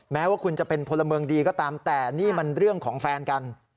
แม้ว่าคุณจะเป็นพลเมืองดีก็ตามแต่นี่มันเรื่องของแฟนกัน